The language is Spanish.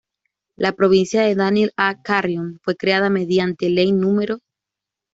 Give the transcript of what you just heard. La Provincia de Daniel A. Carrión fue creada mediante Ley No.